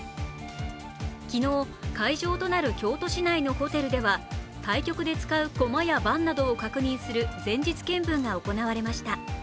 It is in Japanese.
昨日、会場となる京都市内のホテルでは対局で使う駒や盤などを確認する前日検分が行われました。